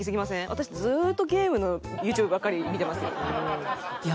私ずーっとゲームのＹｏｕＴｕｂｅばっかり見てますよ。